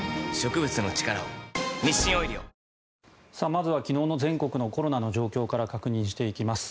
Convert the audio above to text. まずは昨日の全国のコロナ状況から確認していきます。